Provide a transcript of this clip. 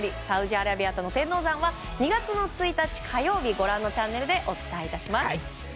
サウジアラビアとの天王山は２月１日火曜日ご覧のチャンネルでお伝え致します。